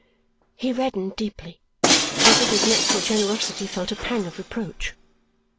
He reddened deeply, as if his natural generosity felt a pang of reproach.